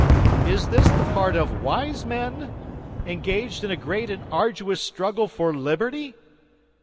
Is this the part of wise men, engaged in a great and arduous struggle for liberty?